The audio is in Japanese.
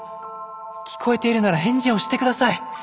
聞こえているなら返事をして下さい。